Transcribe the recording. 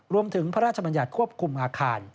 พระราชบัญญัติควบคุมอาคาร